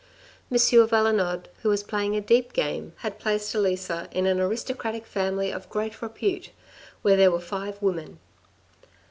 M. Valenod, who was playing a deep game, had placed Elisa in an aristocratic family of great repute, where there were five women.